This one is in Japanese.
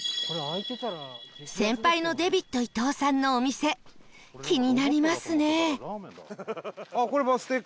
先輩のデビット伊東さんのお店気になりますね